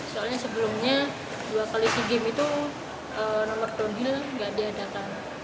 soalnya sebelumnya dua kali si game itu nomor downhill gak diadakan